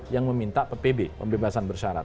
yang meminta ppb pembebasan bersyarat